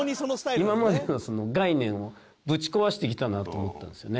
今までの概念をぶち壊してきたなと思ったんですよね。